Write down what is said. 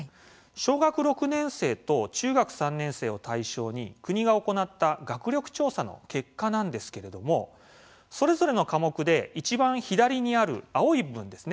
小学６年生と中学３年生を対象に国が行った学力調査の結果ですけれども、それぞれの科目でいちばん左にある青い部分ですね